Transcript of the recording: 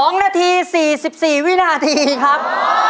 ๒นาที๔๔วินาทีครับ